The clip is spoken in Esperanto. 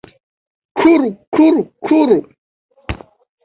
Kuru, kuru, kuru...